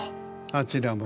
あちらも。